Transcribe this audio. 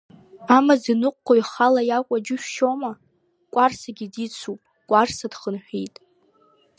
Амаӡаныҟәгаҩ ихала иакәу џьышәшьома, кәарсагьы дицуп, Кәарса дхынҳәит!